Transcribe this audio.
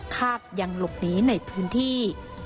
คาดยังหลบหนีในพื้นที่